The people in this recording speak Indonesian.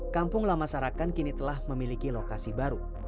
kampung lama sarakan kini telah memiliki lokasi baru